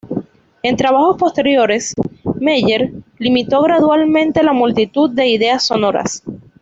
En trabajos posteriores, Meyer limitó gradualmente la multitud de ideas sonoras.